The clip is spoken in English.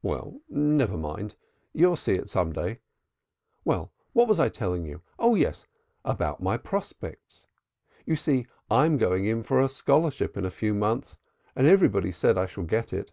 "Well, never mind. You'll see it some day. Well, what was I telling you? Oh, yes! About my prospects. You see, I'm going in for a scholarship in a few months, and everybody says I shall get it.